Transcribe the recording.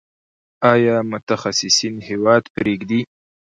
آیا متخصصین هیواد پریږدي؟